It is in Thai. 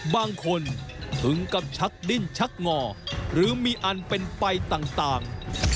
บางคนถึงกับชักดิ้นชักงอหรือมีอันเป็นไปต่าง